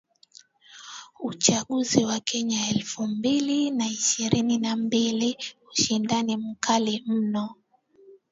Uchaguzi wa Kenya elfu mbili na ishirini na mbili: ushindani mkali mno!!